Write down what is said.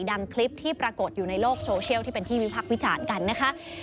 คลิปที่ปรากฏอยู่ในโลกโซเชียลที่เป็นที่วิพักษ์วิจารณ์กันนะคะ